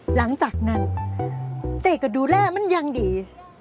หลังจากนั้นเจ๊ก็ดูแลมันอย่างดี